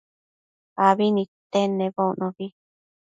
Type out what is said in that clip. abi nidtenedbocnobi